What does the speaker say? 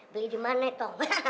beli di mana toh